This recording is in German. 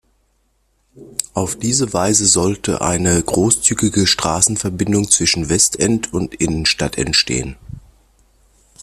Auf diese Weise sollte eine großzügige Straßenverbindung zwischen Westend und Innenstadt entstehen.